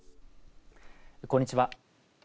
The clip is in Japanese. こんにちは。